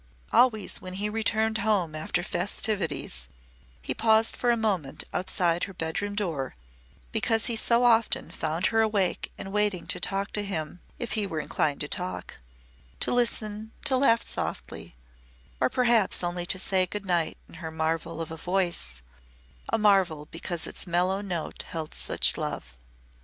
Always when he returned home after festivities, he paused for a moment outside her bedroom door because he so often found her awake and waiting to talk to him if he were inclined to talk to listen to laugh softly or perhaps only to say good night in her marvel of a voice a marvel because its mellow note held such love.